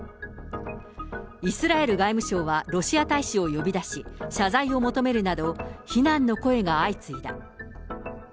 イスラエル外務省は、ロシア大使を呼び出し、謝罪を求めるなど、非難の声が相次いだ。